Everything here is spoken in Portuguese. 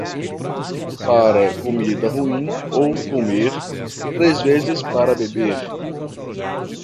Para comida ruim ou comer, três vezes para beber.